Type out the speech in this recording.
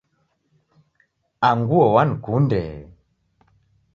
Anguo wankunde.